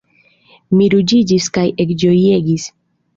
Mi ruĝiĝis kaj ekĝojegis.